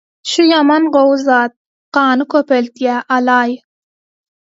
Şü ýaman gowy zat, gany köpeldýä. Alaý.